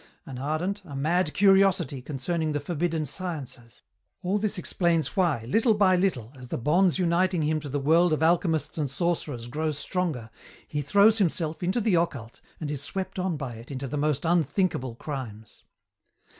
An ardent, a mad curiosity concerning the forbidden sciences. All this explains why, little by little, as the bonds uniting him to the world of alchemists and sorcerers grow stronger, he throws himself into the occult and is swept on by it into the most unthinkable crimes.